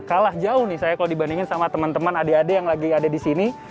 kalah jauh nih saya kalau dibandingin sama teman teman adik adik yang lagi ada di sini